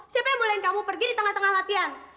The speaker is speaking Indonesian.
siapa yang bolehin kamu pergi di tengah tengah latihan